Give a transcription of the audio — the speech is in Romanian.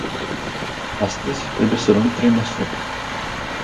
Astăzi, trebuie să luăm trei măsuri.